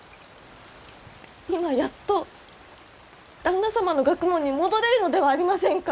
今やっと旦那様の学問に戻れるのではありませんか！